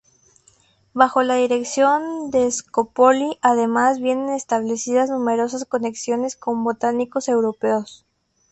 Bajo la dirección de Scopoli además vienen establecidas numerosas conexiones con botánicos europeos.